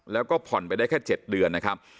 แล้วก็ผ่อนไปได้แค่๗เดือนนะครับ